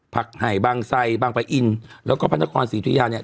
ผักไห่บางไส้บางประอินแล้วก็พันธกรศรีทธิยาเนี้ย